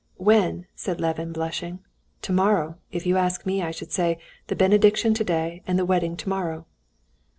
"When?" said Levin blushing. "Tomorrow. If you ask me, I should say, the benediction today and the wedding tomorrow."